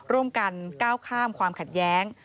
ร่วมกันก้าวข้ามความขัดแย้ง